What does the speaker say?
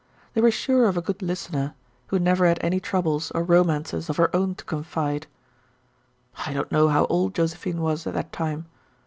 They were sure of a good listener, who never had any troubles or romances of her own to confide. I don't know how old Josephine was at that time.